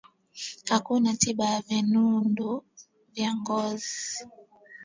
Hakuna tiba ya vinundu vya ngozi